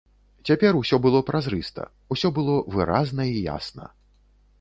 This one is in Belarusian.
Цяпер усё было празрыста, усё было выразна і ясна.